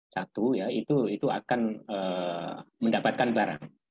satu ya itu akan mendapatkan barang